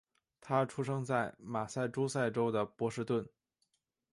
他出生在麻萨诸塞州的波士顿。